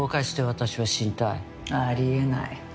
あり得ない。